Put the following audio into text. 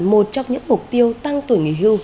một trong những mục tiêu tăng tuổi nghỉ hưu